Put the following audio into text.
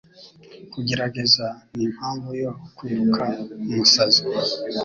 Kugerageza nimpamvu yo kwiruka umusazi